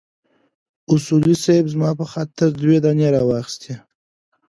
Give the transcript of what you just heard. اصولي صیب زما په خاطر دوه دانې راواخيستې.